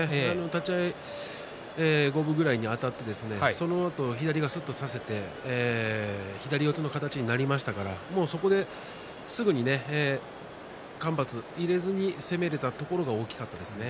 立ち合い五分ぐらいにあたってそのあと左がすっと差せて左四つの形になりましたからそこで、すぐに間髪入れずに攻められたところが大きかったですね。